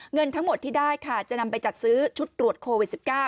เงินทั้งหมดที่ได้ค่ะจะนำไปจัดซื้อชุดตรวจโควิด๑๙